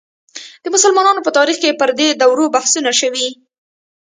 د مسلمانانو په تاریخ کې پر دې دورو بحثونه شوي.